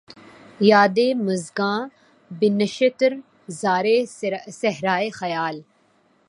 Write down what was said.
یادِ مژگاں بہ نشتر زارِ صحراۓ خیال